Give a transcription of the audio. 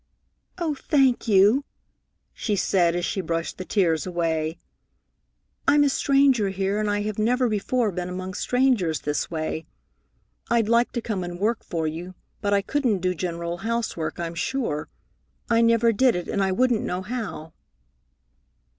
"Oh, thank you!" she said as she brushed the tears away. "I'm a stranger here, and I have never before been among strangers this way. I'd like to come and work for you, but I couldn't do general housework, I'm sure. I never did it, and I wouldn't know how."